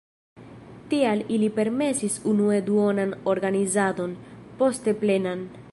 Tial ili permesis unue duonan organizadon, poste plenan.